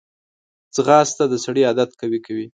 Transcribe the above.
ځغاسته د سړي عادت قوي کوي